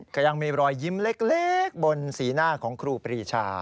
ก็ยังมีรอยยิ้มเล็กบนสีหน้าของครูปรีชา